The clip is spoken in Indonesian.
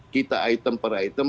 kita item per item